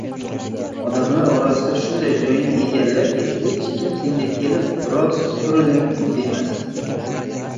• Odamlar orasida shunday joyni egallaki, hech kim senga kelib “biroz suriling” demasin.